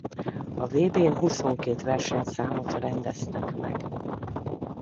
A vb-n huszonkét versenyszámot rendeztek meg.